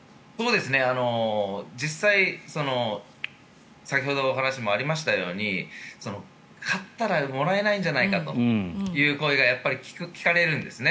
実際、先ほどのお話にもありましたように買ったらもらえないんじゃないかという声がやっぱり聞かれるんですね。